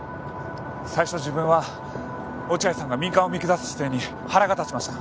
最初自分は落合さんが民間を見下す姿勢に腹が立ちました。